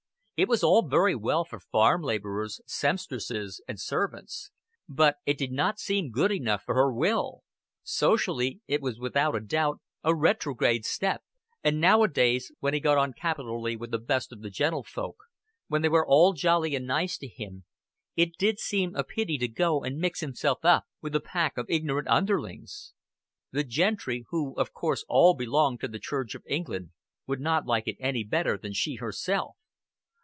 It was all very well for farm laborers, sempstresses, and servants; but it did not seem good enough for her Will. Socially it was without doubt a retrograde step; and nowadays, when he got on capitally with the best of the gentlefolk, when they were all jolly and nice to him, it did seem a pity to go and mix himself up with a pack of ignorant underlings. The gentry, who of course all belonged to the Church of England, would not like it any better than she herself.